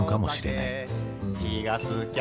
「気がつきゃ